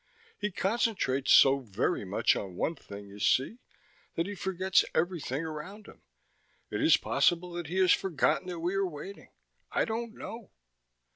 He concentrates so very much on one thing, you see, that he forgets everything around him. It is possible that he has forgotten that we are waiting. I don't know."